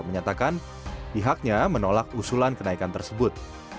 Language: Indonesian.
menyatakan pihaknya menolak usulan kenaikan tersebut